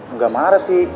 enggak marah sih